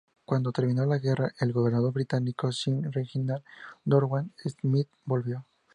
Cuando terminó la guerra, el gobernador británico, Sir Reginald Dorman-Smith volvió.